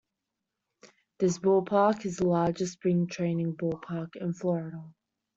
This ballpark is the largest spring training ballpark in Florida.